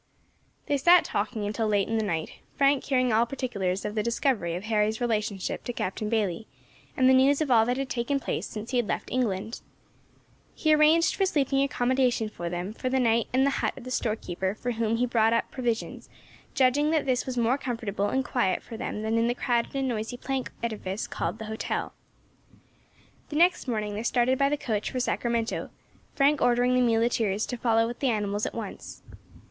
They sat talking until late in the night, Frank hearing all particulars of the discovery of Harry's relationship to Captain Bayley, and the news of all that had taken place since he had left England. He arranged for sleeping accommodation for them for the night in the hut of the storekeeper for whom he brought up provisions, judging that this was more comfortable and quiet for them than in the crowded and noisy plank edifice called the hotel. The next morning they started by the coach for Sacramento, Frank ordering the muleteers to follow with the animals at once.